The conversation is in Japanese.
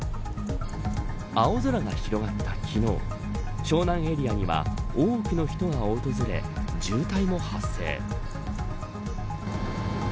青空が広がった昨日湘南エリアには多くの人が訪れ渋滞も発生。